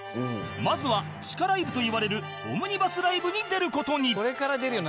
まずは地下ライブといわれるオムニバスライブに出る事に